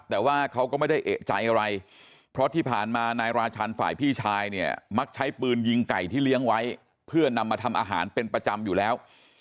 แต่ว่าเขาก็ไม่ได้เอกใจอะไรเพราะที่ผ่านมานายราชันฝ่ายพี่ชายเนี่ยมักใช้ปืนยิงไก่ที่เลี้ยงไว้เพื่อนำมาทำอาหารเป็นประจำอยู่แล้ว